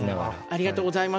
ありがとうございます。